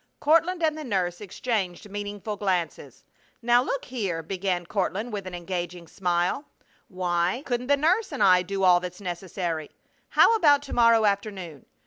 Courtland and the nurse exchanged meaningful glances. "Now look here!" began Courtland, with his engaging smile. "Why couldn't the nurse and I do all that's necessary? How about to morrow afternoon?